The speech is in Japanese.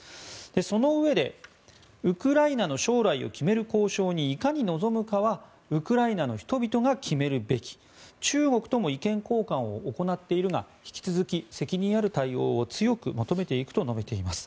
そのうえでウクライナの将来を決める交渉にいかに臨むかはウクライナの人々が決めるべき中国とも意見交換を行っているが引き続き、責任ある対応を強く求めていくと述べています。